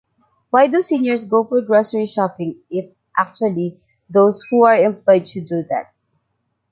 Why do seniors go for grocery shopping, if, actually, those who are employed should do that?